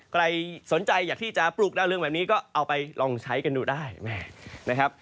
ใครสนใจอยากที่จะปลูกดาวเรืองแบบนี้ก็เอาไปลองใช้กันดูได้แม่นะครับ